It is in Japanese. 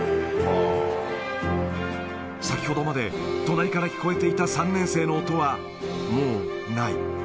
先ほどまで隣から聴こえていた３年生の音は、もうない。